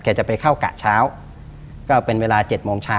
จะไปเข้ากะเช้าก็เป็นเวลา๗โมงเช้า